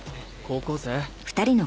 高校生？